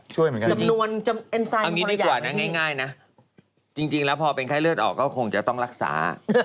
จำนวนเอางี้ดีกว่านะง่ายนะจริงแล้วพอเป็นไข้เลือดออกก็คงจะต้องรักษา